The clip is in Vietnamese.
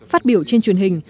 phát biểu trên truyền hình